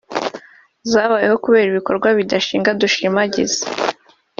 zabayeho kubera ibikorwa bidashinga dushimagiza